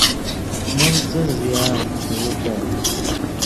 من څس زیان ݱوتے